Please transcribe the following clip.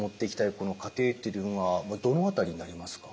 このカテーテルというのはどの辺りになりますか？